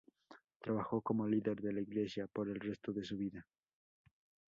Trabajó como líder de la Iglesia por el resto de su vida.